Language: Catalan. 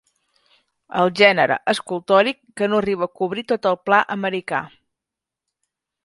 El gènere escultòric que no arriba a cobrir tot el pla americà.